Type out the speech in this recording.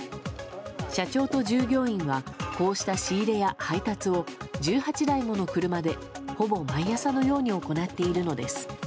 社長と従業員はこうした仕入れや配達を１８台もの車でほぼ毎朝のように行っているのです。